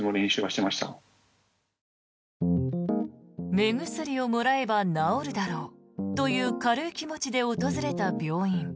目薬をもらえば治るだろうという軽い気持ちで訪れた病院。